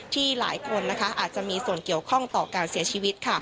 ที่หลายคนอาจจะมีส่วนเกี่ยวข้องต่อการเสียชีวิต